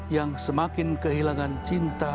yang semakin kehilangan cinta